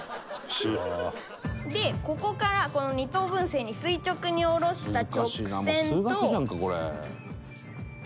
でここから二等分線に垂直に下ろした直線と。